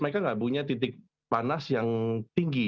mereka nggak punya titik panas yang tinggi